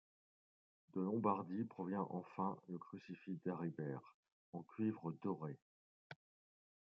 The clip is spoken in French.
De Lombardie provient enfin le crucifix d'Aribert, en cuivre doré.